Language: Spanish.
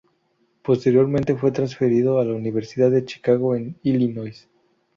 Posteriormente fue transferido a la Universidad de Chicago en Illinois.